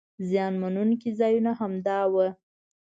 زیان مننونکي ځایونه همدا وو.